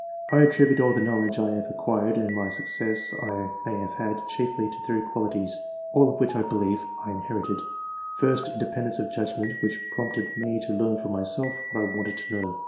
*' I attribute all the knowledge I have ac quired, and any success I may have had, chiefly to three qualities, all of which I believe I in II,] • QUALITIES. 107 herited. First, independence of judgment which prompted me to learn for myself what I wanted to know.